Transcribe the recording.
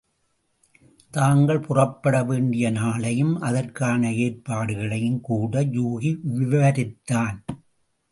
தாங்கள் புறப்பட வேண்டிய நாளையும் அதற்கான ஏற்பாடுகளையும்கூட யூகி விவரித்தான்.